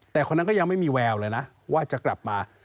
แต่คนนั้นก็ยังไม่มีแววเลยนะว่าจะกลับมา